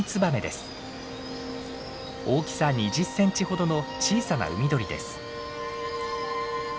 大きさ２０センチほどの小さな海鳥です。